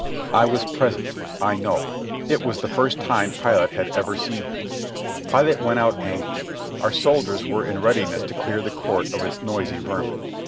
I was present. I know. It was the first time Pilate had ever seen him. Pilate went out angry. Our soldiers were in readiness to clear the court of its noisy vermin.